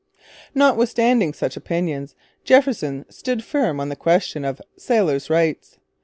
Notwithstanding such opinions, Jefferson stood firm on the question of 'Sailors' Rights.'